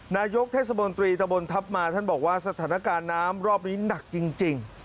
นายกเทศบนตรีตะบนทัพมาท่านบอกว่าสถานการณ์น้ำรอบนี้หนักจริง